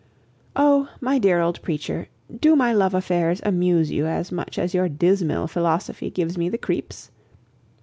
Oh! my dear old preacher, do my love affairs amuse you as much as your dismal philosophy gives me the creeps?